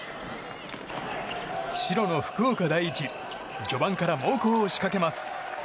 白の福岡第一序盤から猛攻を仕掛けます。